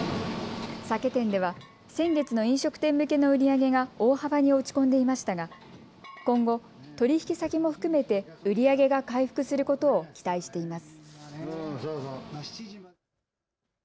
酒店では先月の飲食店向けの売り上げが大幅に落ち込んでいましたが今後、取引先も含めて売り上げが回復することを期待しています。